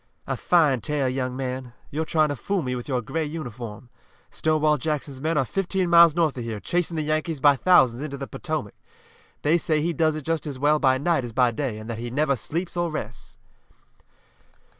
"A fine tale, young man. You're trying to fool me with your gray uniform. Stonewall Jackson's men are fifteen miles north of here, chasing the Yankees by thousands into the Potomac. They say he does it just as well by night as by day, and that he never sleeps or rests."